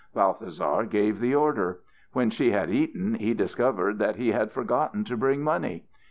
Balthasar gave the order. When she had eaten he discovered that he had forgotten to bring money.